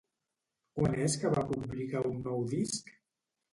Quan és que va publicar un nou disc?